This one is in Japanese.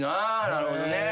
なるほどね。